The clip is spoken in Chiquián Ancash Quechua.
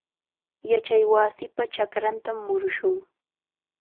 Yachaywasipa chakrantam murushun.